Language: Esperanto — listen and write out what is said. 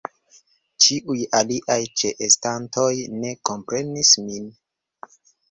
Ĉiuj aliaj ĉeestantoj ne komprenis min.